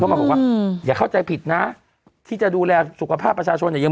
มาบอกว่าอย่าเข้าใจผิดนะที่จะดูแลสุขภาพประชาชนอย่างเยอะ